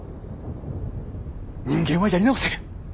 人間はやり直せる。